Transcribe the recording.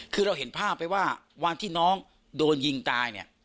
คือเราเห็นภาพไปว่าวันที่น้องโดนยิงตายเนี่ย